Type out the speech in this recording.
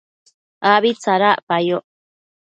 abi tsadacpayoc